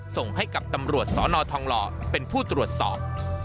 ส่งให้กับตำรวจสนทองหล่อเป็นผู้ตรวจสอบ